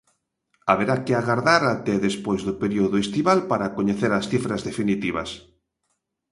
Haberá que agardar até despois do período estival para coñecer as cifras definitivas.